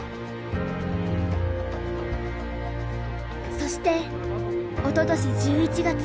そしておととし１１月。